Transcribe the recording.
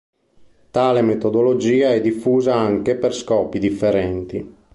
Tale metodologia è diffusa anche per scopi differenti.